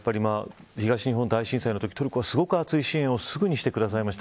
東日本大震災のとき、トルコはすごい厚い支援をすぐしてくれました。